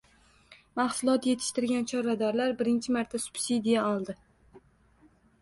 Mahsulot yetishtirgan chorvadorlar birinchi marta subsidiya oldi